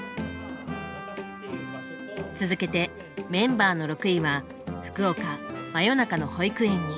続けてメンバーの６位は「福岡真夜中の保育園」に。